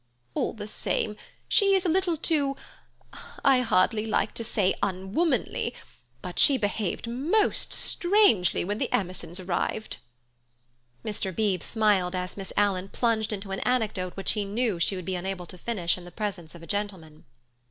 "All the same, she is a little too—I hardly like to say unwomanly, but she behaved most strangely when the Emersons arrived." Mr. Beebe smiled as Miss Alan plunged into an anecdote which he knew she would be unable to finish in the presence of a gentleman.